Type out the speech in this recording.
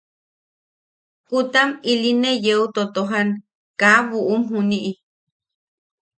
Kutam ili ne yeu totojan kaa bubuʼum juniʼi.